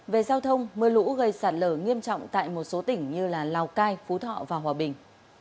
về giao thông mưa lũ gây sạt lở nghiêm trọng tại một số tỉnh như lào cai phú thọ và hòa bình